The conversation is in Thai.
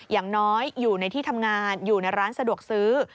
อย่างน้อยอยู่ในที่ทำงานอยู่ในร้านสะดวกซื้อ